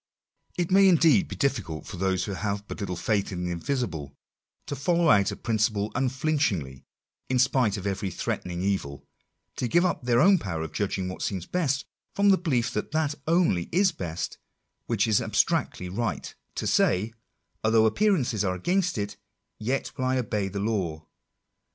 It may indeed be difficult for those who have but little faith in the invisible, to follow out a principle unflinchingly, in spite of every threatening evil — to give up their own power of judging what seems best, from the belief that that only is best which is abstractedly right — to say, " although appearances are against it, yet will I obey the law."